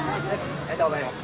ありがとうございます。